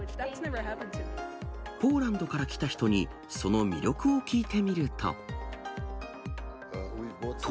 ポーランドから来た人に、その魅力を聞いてみると。